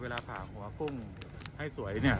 ผ่าหัวกุ้งให้สวยเนี่ย